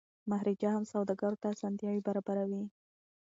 مهاراجا هم سوداګرو ته اسانتیاوي برابروي.